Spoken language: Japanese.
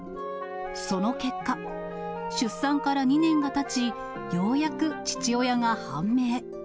その結果、出産から２年がたち、ようやく父親が判明。